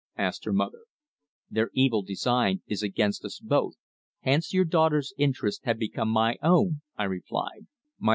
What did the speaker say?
asked her mother. "Their evil design is against us both, hence your daughter's interests have become my own," I replied.